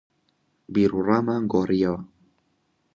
بیروڕامان گۆڕیوە.